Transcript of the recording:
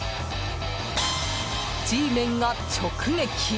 Ｇメンが直撃。